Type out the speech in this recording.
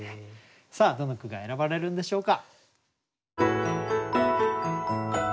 さあどの句が選ばれるんでしょうか？